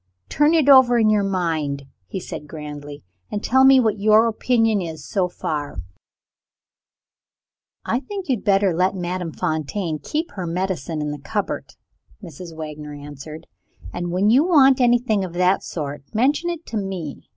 "Turn it over in your own mind," he said grandly, "and tell me what your opinion is, so far." "I think you had better let Madame Fontaine keep her medicine in the cupboard," Mrs. Wagner answered; "and when you want anything of that sort, mention it to me."